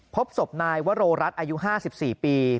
พบศพนายวโรรัสอายุ๕๔ปี